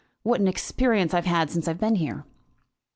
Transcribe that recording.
What an experience I have had since I have been here!"